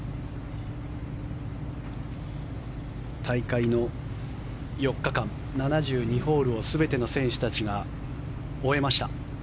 大会の４日間７２ホールを全ての選手たちが終えました。